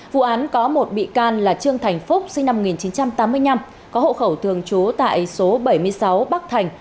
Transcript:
vụ án có một bị can là trương thành phúc sinh năm một nghìn chín trăm tám mươi năm có hộ khẩu thường trú tại số bảy mươi sáu bắc thành